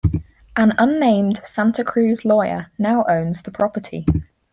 An unnamed Santa Cruz lawyer now owns the property.